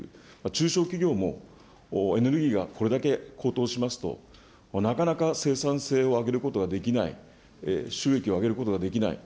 中小企業もエネルギーがこれだけ高騰しますと、なかなか生産性を上げることはできない、収益を上げることができない。